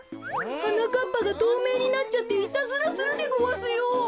はなかっぱがとうめいになっちゃっていたずらするでごわすよ。